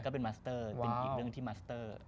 ก็เป็นมัสเตอร์เป็นอีกเรื่องที่มัสเตอร์